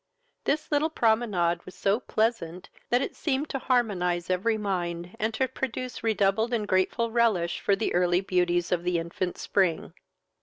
This little promenade was so pleasant, that it seemed to harmonize every mind, and to produce a redoubled and grateful relish for the early beauties of the infant spring.